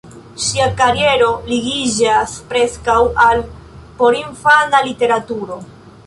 Ŝia kariero ligiĝas preskaŭ al porinfana literaturo.